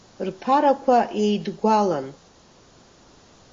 Рԥарақәа еидгәалан.